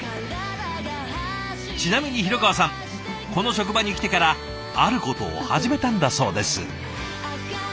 ちなみに廣川さんこの職場に来てからあることを始めたんだそうです。